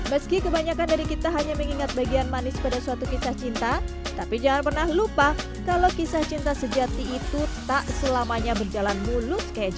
meski kebanyakan dari kita hanya mengingat bagian manis pada suatu kisah cinta tapi jangan pernah lupa kalau kisah cinta sejati itu tak selamanya berjalan mulus kayak gini